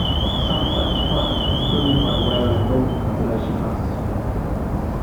Some such products are approved by the Whale and Dolphin Conservation Trust.